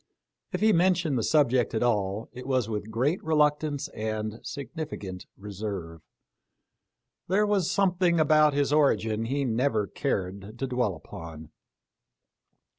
If he mentioned the subject at all, it was with great re luctance and significant reserve. There was some thing about his origin he never cared to dwell upon.